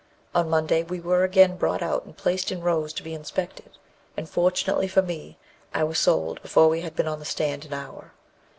On Monday we were again brought out and placed in rows to be inspected; and, fortunately for me, I was sold before we had been on the stand an hour.